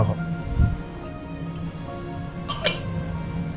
gak lama ga lama